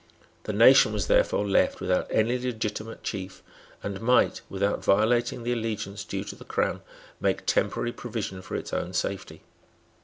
The nation was therefore left without any legitimate chief, and might, without violating the allegiance due to the Crown, make temporary provision for its own safety.